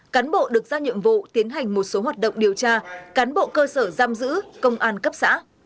cán bộ được ra nhiệm vụ tiến hành một số hoạt động điều tra cán bộ cơ sở giam giữ công an cấp xã